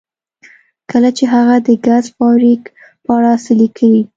کله چې هغه د ګس فارویک په اړه څه لیکي